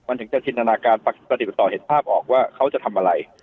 มันถึงจะจินตนาการประดิษฐ์ต่อเห็นภาพออกว่าเขาจะทำอะไร